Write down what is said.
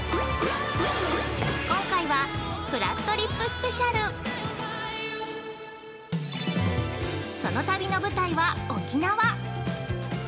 今回は、「ぷらっとりっぷスペシャル！」その旅の舞台は沖縄。